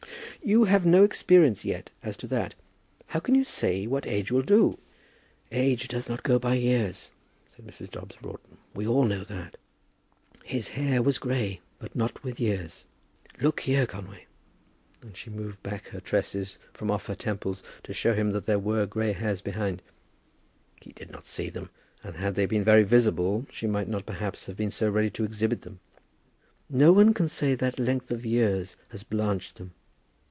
"You have no experience yet as to that. How can you say what age will do?" "Age does not go by years," said Mrs. Dobbs Broughton. "We all know that. 'His hair was grey, but not with years.' Look here, Conway," and she moved back her tresses from off her temples to show him that there were gray hairs behind. He did not see them; and had they been very visible she might not perhaps have been so ready to exhibit them. "No one can say that length of years has blanched them.